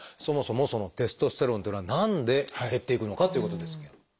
そもそもそのテストステロンっていうのは何で減っていくのかっていうことですけれど。